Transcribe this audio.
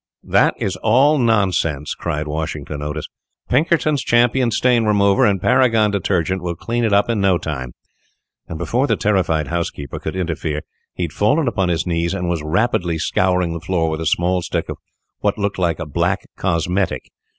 "That is all nonsense," cried Washington Otis; "Pinkerton's Champion Stain Remover and Paragon Detergent will clean it up in no time," and before the terrified housekeeper could interfere, he had fallen upon his knees, and was rapidly scouring the floor with a small stick of what looked like a black cosmetic.